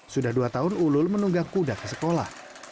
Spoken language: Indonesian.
sudah dua tahun ulul menunggang kuda ke sekolah